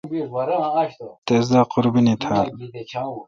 تس دا قربینی تھال۔